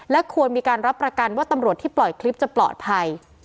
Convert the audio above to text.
และควรมีการรับประกันว่าตำรวจที่ปล่อยคลิปจะปลอดภัย